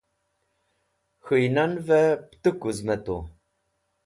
k̃huynan ve putuk wuzmetu